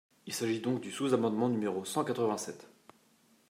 Il s’agit donc du sous-amendement numéro cent quatre-vingt-sept.